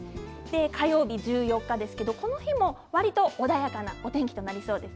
火曜日１４日、この日もわりと穏やかなお天気となりそうです。